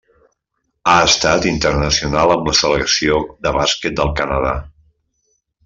Ha estat internacional amb la selecció de bàsquet del Canadà.